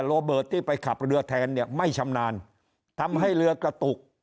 โรเบิร์ตที่ไปขับเรือแทนเนี่ยไม่ชำนาญทำให้เรือกระตุก